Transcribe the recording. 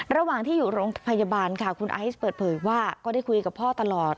ระหว่างที่อยู่โรงพยาบาลค่ะคุณไอซ์เปิดเผยว่าก็ได้คุยกับพ่อตลอด